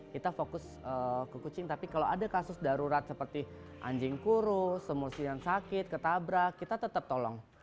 kita fokus ke kucing tapi kalau ada kasus darurat seperti anjing kurus semursi yang sakit ketabrak kita tetap tolong